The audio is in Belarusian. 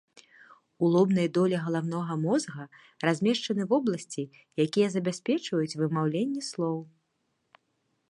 У лобнай долі галаўнога мозга размешчаны вобласці, якія забяспечваюць вымаўленне слоў.